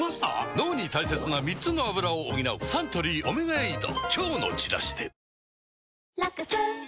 脳に大切な３つのアブラを補うサントリー「オメガエイド」